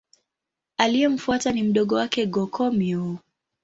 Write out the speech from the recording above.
Aliyemfuata ni mdogo wake Go-Komyo.